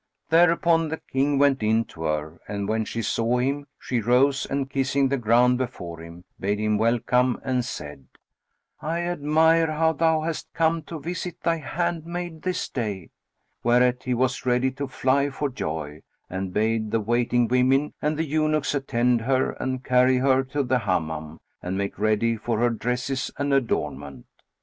Thereupon the King went in to her and when she saw him, she rose and kissing the ground before him, bade him welcome and said, "I admire how thou hast come to visit thy handmaid this day;" whereat he was ready to fly for joy and bade the waiting women and the eunuchs attend her and carry her to the Hammam and make ready for her dresses and adornment.